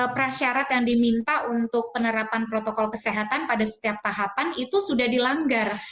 prasyarat yang diminta untuk penerapan protokol kesehatan pada setiap tahapan itu sudah dilanggar